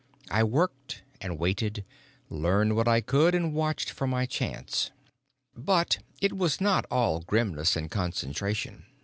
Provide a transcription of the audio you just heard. I worked, and waited, learned what I could and watched for my chance. But it was not all grimness and concentration.